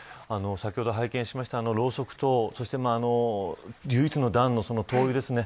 先ほど拝見しましたろうそくと唯一の暖の灯油ですね。